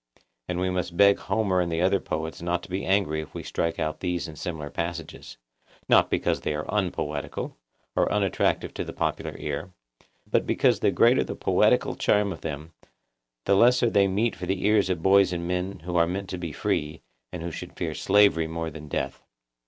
And we must beg Homer and the other poets not to be angry if we strike out these and similar passages, not because they are unpoetical, or unattractive to the popular ear, but because the greater the poetical charm of them, the less are they meet for the ears of boys and men who are meant to be free, and who should fear slavery more than death.